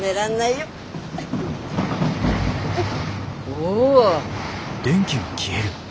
お。